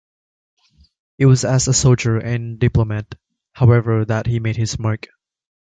It was as a soldier and diplomat, however, that he made his mark.